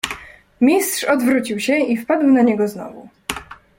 "Mistrz odwrócił się i wpadł na niego znowu."